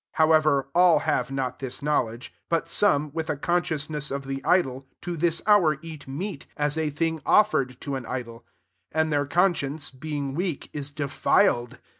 7 However, all have not thia knowledge : but some, with a consciousness of the idol, to this hour eat meaty as a thing offered to ^n idol ; and their conscience, being weak, is defiled.